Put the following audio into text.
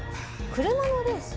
車のレース？」。